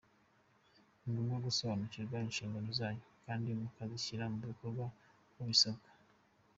Ni ngombwa gusobanukirwa inshingano zanyu, kandi mukazishyira mu bikorwa uko bisabwa .